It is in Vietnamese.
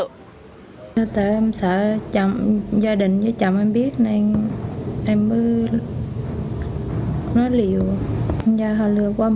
thời gian qua có nhiều người dân đến công an báo tin giảm bị cướp tài sản